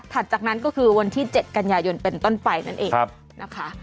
จากนั้นก็คือวันที่๗กันยายนเป็นต้นไปนั่นเองนะคะ